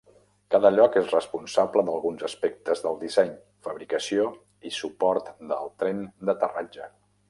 Cada lloc és responsable d'alguns aspectes del disseny, fabricació i suport del tren d'aterratge.